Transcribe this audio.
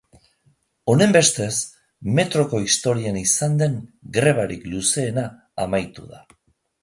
Honenbestez, metroko historian izan den grebarik luzeena amaitu da.